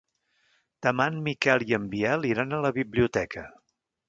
Demà en Miquel i en Biel iran a la biblioteca.